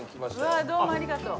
うわどうもありがとう。